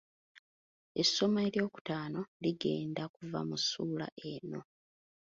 essomo eryokutaano ligenda kuva mu ssuula eno.